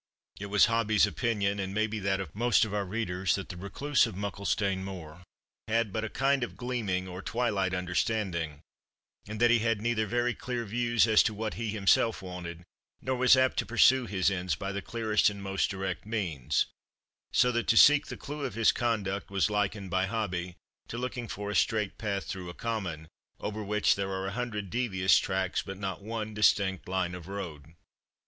It was Hobbie's opinion, and may be that of most of our readers, that the Recluse of Mucklestane Moor had but a kind of a gleaming, or twilight understanding; and that he had neither very clear views as to what he himself wanted, nor was apt to pursue his ends by the clearest and most direct means; so that to seek the clew of his conduct, was likened, by Hobbie, to looking for a straight path through a common, over which are a hundred devious tracks, but not one distinct line of road.